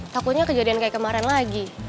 takutnya kejadian kayak kemarin lagi